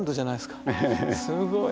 すごい。